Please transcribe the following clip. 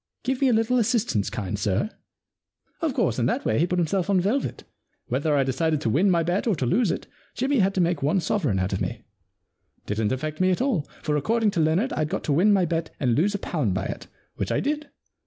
Give me a little assistance, kind sir ?"* Of course, in that way he put himself on velvet. Whether I decided to win my bet or to lose it, Jimmy had to make one sovereign out of me. Didn't affect me at all, for according to Leonard Fd got to win my bet and lose a pound by it, which I did.